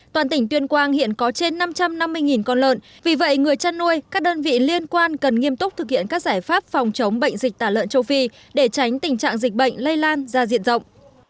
toàn tỉnh tuyên quang hiện có trên năm trăm năm mươi con lợn vì vậy người chăn nuôi các đơn vị liên quan cần nghiêm túc thực hiện các giải pháp phòng chống bệnh dịch tả lợn châu phi để tránh tình trạng dịch bệnh lây lan ra diện rộng